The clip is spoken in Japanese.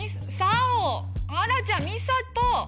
あらちゃんみさと！